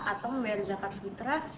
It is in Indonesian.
atau membiarkan zakat fitrah